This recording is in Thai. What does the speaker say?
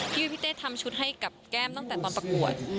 พี่เต้ทำชุดให้กับแก้มตั้งแต่ตอนประกวด